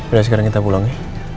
udah sekarang kita pulang ya